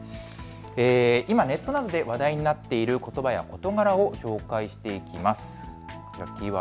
今、ネットなどで話題になっていることばや事柄を紹介していきます。